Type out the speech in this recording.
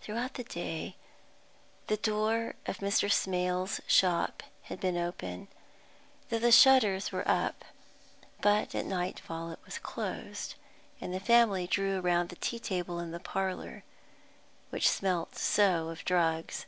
Throughout the day the door of Mr. Smales's shop had been open, though the shutters were up. But at nightfall it was closed, and the family drew around the tea table in the parlour which smelt so of drugs.